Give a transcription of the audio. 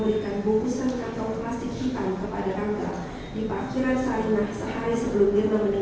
dihubungkan dengan kandungan yang berada di rumah sakit abdiwaluyo